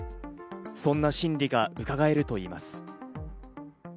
そんな心理がうかがえるといいます。